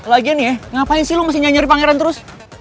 lagian ya ngapain sih lo masih nyanyir pangeran terus